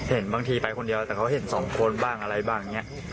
เห็นบางทีไปคนเดียวแต่เขาเห็นสองคนบ้างอะไรบ้างอย่างนี้